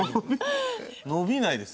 伸びないです